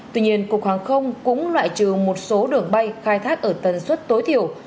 tuy nhiên cục hàng không cũng loại trừ một số đường bay khai thác ở tần suất tối thiểu